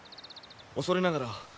恐れながら。